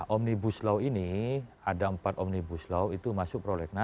omnibus law ini ada empat omnibus law itu masuk prolegnas